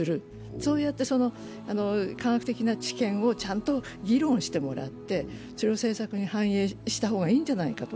そうやって科学的な知見をちゃんと議論してもらってそれを政策に反映してもらった方がいいんじゃないかと。